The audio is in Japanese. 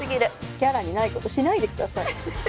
キャラにないことしないで下さい。